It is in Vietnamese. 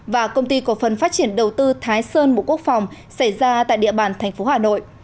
và công ty cổ phần phát triển đầu tư thái sơn bộ quốc phòng xảy ra tại địa bàn tp hà nội